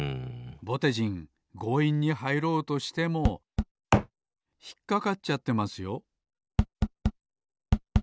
ぼてじんごういんにはいろうとしてもひっかかっちゃってますよ